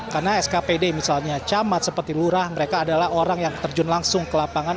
karena skpd misalnya camat seperti lurah mereka adalah orang yang terjun langsung ke lapangan